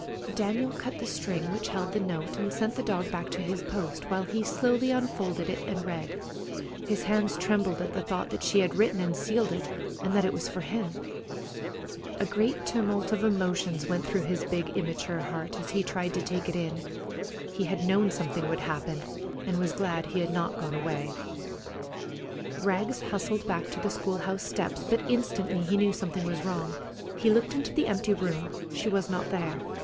Daniel cut the string which held the note and sent the dog back to his post, while he slowly unfolded it and read, his hands trembling at the thought that she had written and sealed it, and that it was for him. A great tumult of emotions went through his big, immature heart as he tried to take it in. He had known something would happen, and was glad he had not gone away. Rags hustled back to the school house steps, but instantly he knew something was wrong. He looked into the empty room. She was not there.